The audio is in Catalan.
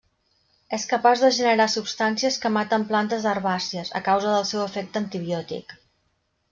És capaç de generar substàncies que maten plantes herbàcies, a causa del seu efecte antibiòtic.